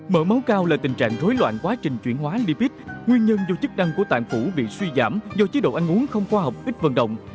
mỡ máu cao là tình trạng rối loạn quá trình chuyển hóa lipid nguyên nhân do chức năng của tạng phủ bị suy giảm do chế độ ăn uống không khoa học ít vận động